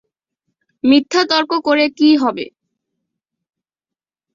মিথ্যা তর্ক করে কী হবে?